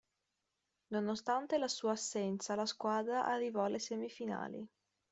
Nonostante la sua assenza la squadra arrivò alle semifinali.